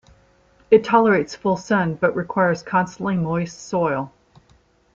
It tolerates full sun, but requires constantly moist soil.